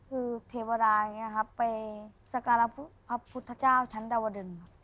คือเทวดาไปสการพระพุทธเจ้าชั้นดาวดึง